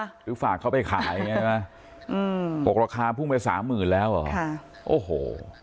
หรือฝากเขาไปขายอืมปลูกราคาพุ่งไปสามหมื่นแล้วค่ะโอ้โห